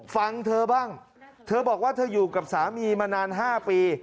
ฟังเธอบ้างเธอบอกว่าเธออยู่กับสามีมานาน๕ปี